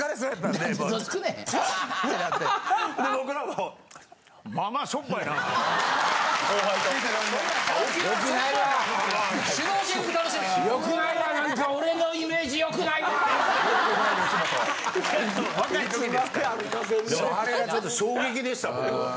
でもあれはちょっと衝撃でした僕。